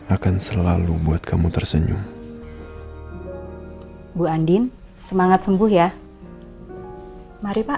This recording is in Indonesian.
akan selalu buat kamu tersenyum bu andin semangat sembuh ya mari pak